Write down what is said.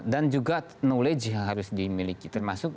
dan juga knowledge yang harus dimiliki